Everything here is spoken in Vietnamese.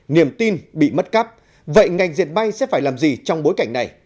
niềm tin bị mất cắp vậy ngành diệt may sẽ phải làm gì trong bối cảnh này